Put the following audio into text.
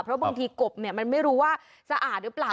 เพราะบางทีกบมันไม่รู้ว่าสะอาดหรือเปล่า